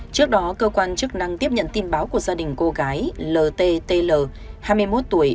trước đó cơ quan chức năng tiếp nhận tin báo của gia đình cô gái l t t l hai mươi một tuổi